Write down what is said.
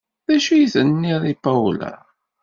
D acu i s-tenniḍ i Paola?